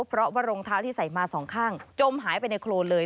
เพราะว่ารองเท้าที่ใส่มาสองข้างจมหายไปในโครนเลย